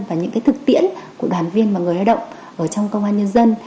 và những thực tiễn của đoàn viên và người lao động ở trong công an nhân dân